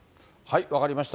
分かりました。